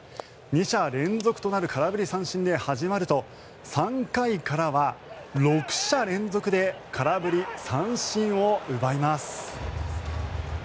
２者連続となる空振り三振で始まると３回からは６者連続で空振り三振を奪います。